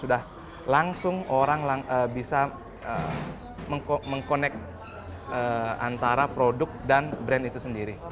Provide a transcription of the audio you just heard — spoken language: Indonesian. sudah langsung orang bisa meng connect antara produk dan brand itu sendiri